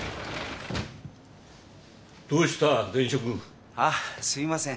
どうした電飾？あすみません。